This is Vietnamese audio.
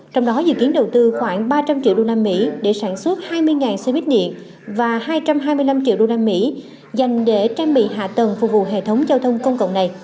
trong đó dự kiến đầu tư khoảng ba trăm linh triệu usd để sản xuất hai mươi xe buýt điện và hai trăm hai mươi năm triệu usd dành để trang bị hạ tầng phục vụ hệ thống giao thông công cộng này